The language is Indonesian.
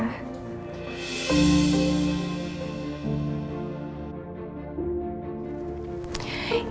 ini kincir aminnya bumi bunuh